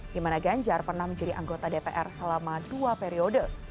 di mana ganjar pernah menjadi anggota dpr selama dua periode